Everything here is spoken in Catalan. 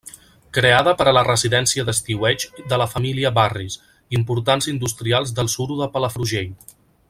Creada per a residència d'estiueig de la família Barris, importants industrials del suro de Palafrugell.